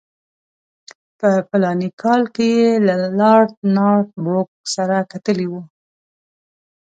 په فلاني کال کې یې له لارډ نارت بروک سره کتلي وو.